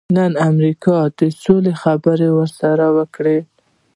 نن امریکا د سولې خبرې ورسره کوي.